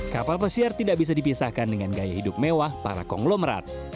kapal pesiar tidak bisa dipisahkan dengan gaya hidup mewah para konglomerat